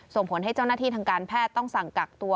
ส่งผลให้เจ้าหน้าที่ทางการแพทย์ต้องสั่งกักตัว